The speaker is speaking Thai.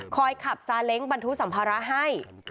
ขับซาเล้งบรรทุกสัมภาระให้